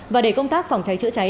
và để công tác phòng cháy chữa cháy